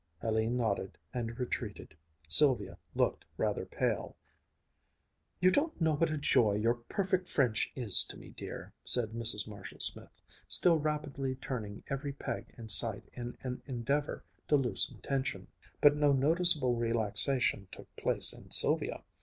Hélène nodded and retreated. Sylvia looked rather pale. "You don't know what a joy your perfect French is to me, dear," said Mrs. Marshall Smith, still rapidly turning every peg in sight in an endeavor to loosen tension; but no noticeable relaxation took place in Sylvia.